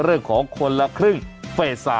เรื่องของมาตรการของทางภาครัฐนะฮะ